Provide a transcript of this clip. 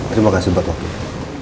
terima kasih buat waktu ini